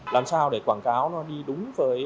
làm sao để quảng cáo nó đi đúng với